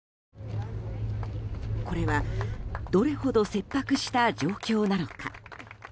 これはどれほど切迫した状況なのか。